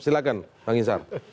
silahkan bang isar